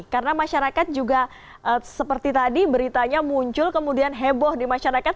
karena masyarakat juga seperti tadi beritanya muncul kemudian heboh di masyarakat